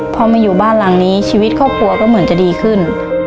พอมาอยู่บ้านหลังนี้ชีวิตครอบครัวก็เหมือนจะดีขึ้น